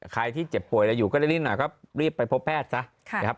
ใครที่เจ็บป่วยแล้วอยู่ก็ได้ริ้นหน่อยครับรีบไปพบแพทย์ซะ